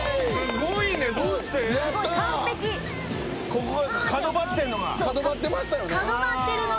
ここが角張ってるのが。